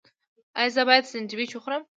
ایا زه باید سنډویچ وخورم؟